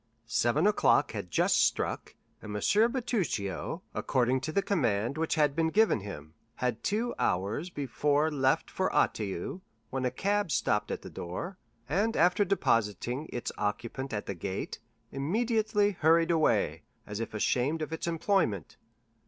Seven o'clock had just struck, and M. Bertuccio, according to the command which had been given him, had two hours before left for Auteuil, when a cab stopped at the door, and after depositing its occupant at the gate, immediately hurried away, as if ashamed of its employment.